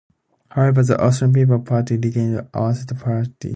However, the Austrian People's Party retained a one-seat plurality.